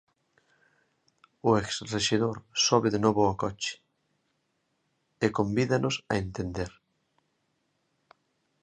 O ex rexedor sobe de novo a coche, e convídanos a entender.